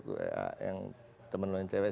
itu yang temen lo yang cewek